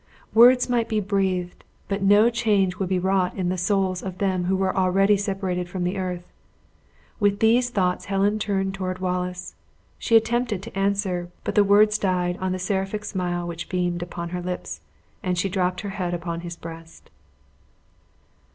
Words might be breathed; but no change would be wrought in the souls of them who were already separated from the earth. With these thoughts Helen turned toward Wallace; she attempted to answer, but the words died on the seraphic smile which beamed upon her lips, and she dropped her head upon his breast.